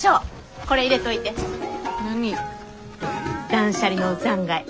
断捨離の残骸。